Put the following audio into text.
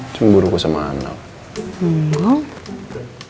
cemburu ku sama anak